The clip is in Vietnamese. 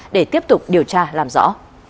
để tiếp tục điều tra làm rõ